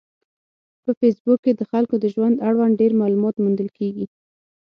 په فېسبوک کې د خلکو د ژوند اړوند ډېر معلومات موندل کېږي.